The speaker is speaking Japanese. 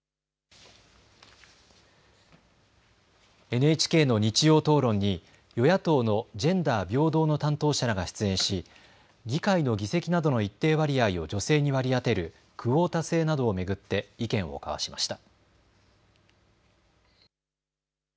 ＮＨＫの日曜討論に与野党のジェンダー平等の担当者らが出演し議会の議席などの一定割合を女性に割り当てるクオータ制などを巡って意見を交わしました。